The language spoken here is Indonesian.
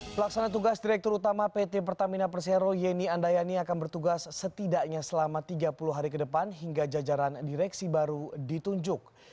pelaksana tugas direktur utama pt pertamina persero yeni andayani akan bertugas setidaknya selama tiga puluh hari ke depan hingga jajaran direksi baru ditunjuk